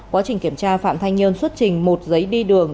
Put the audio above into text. quá trình kiểm tra phạm thanh nhơn xuất trình một giấy đi đường